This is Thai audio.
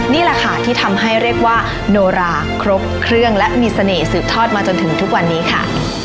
นี่แหละค่ะที่ทำให้เรียกว่าโนราครบเครื่องและมีเสน่หสืบทอดมาจนถึงทุกวันนี้ค่ะ